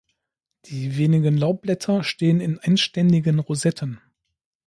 Die wenigen Laubblätter stehen in endständigen Rosetten.